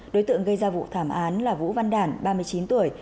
đối tượng gây ra vụ thảm án là vũ văn đản ba mươi chín tuổi